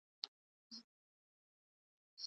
امیر عنایت الله خان پیر دی.